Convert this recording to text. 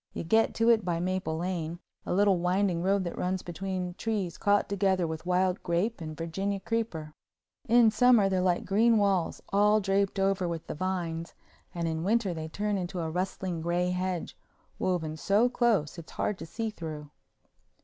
You get to it by Maple Lane, a little winding road that runs between trees caught together with wild grape and Virginia creeper. In summer they're like green walls all draped over with the vines and in winter they turn into a rustling gray hedge, woven so close it's hard to see through.